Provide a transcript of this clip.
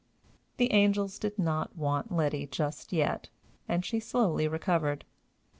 The angels did not want Letty just yet, and she slowly recovered.